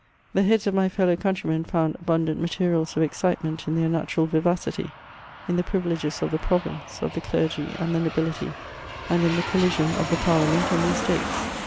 The heads of my fellow countrymen found abundant materiab of excitement in their natu ral vivacity, in the privileges of the province, of the clergy and the nobility, and in the collision of the Parliament and the Estates.